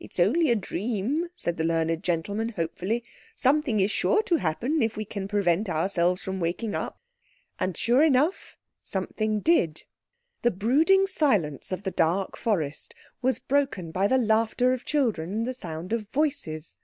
"It's only a dream," said the learned gentleman hopefully; "something is sure to happen if we can prevent ourselves from waking up." And sure enough, something did. The brooding silence of the dark forest was broken by the laughter of children and the sound of voices.